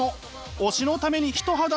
推しのために一肌脱ぐ